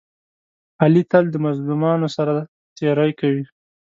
علي تل د مظلومانو سره تېری کوي.